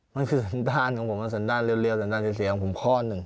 มันคือสันดาลของผมสันดาลเรียวสันดาลนิสัยของผมข้อนึง